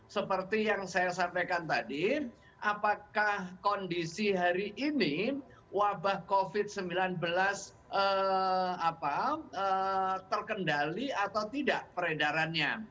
seperti yang saya sampaikan tadi apakah kondisi hari ini wabah covid sembilan belas terkendali atau tidak peredarannya